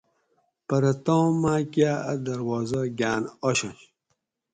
پرہ تام ماۤکہۤ اۤ دروازہ گاۤن آشنش